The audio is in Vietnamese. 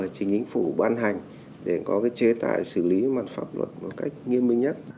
và chính chính phủ ban hành để có chế tài xử lý văn pháp luật một cách nghiêm minh nhất